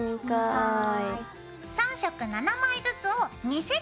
はい。